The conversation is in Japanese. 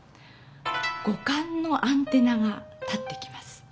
五感のアンテナが立ってきます。